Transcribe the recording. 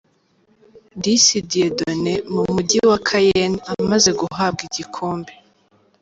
Disi Dieudoné mu mujyi wa Caen amaze guhabwa igikombe.